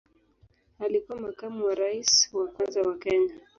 Alikuwa makamu wa rais wa kwanza wa Kenya.